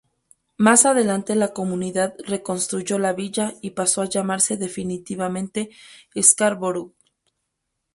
Más adelante la comunidad reconstruyó la villa y pasó a llamarse definitivamente Scarborough.